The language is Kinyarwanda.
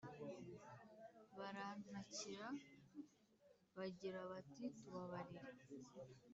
Barantakira, bagira bati tubabarire